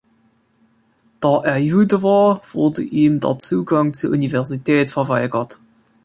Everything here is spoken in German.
Da er Jude war, wurde ihm der Zugang zur Universität verweigert.